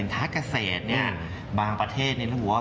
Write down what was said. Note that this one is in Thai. ใช่